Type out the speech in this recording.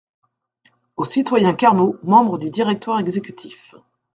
Au citoyen Carnot, membre du directoire exécutif.